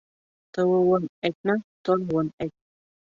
Тыуыуын әйтмә, тороуын әйт.